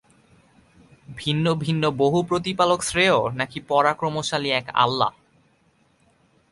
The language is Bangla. ভিন্ন ভিন্ন বহু প্রতিপালক শ্রেয়, নাকি পরাক্রমশালী এক আল্লাহ্?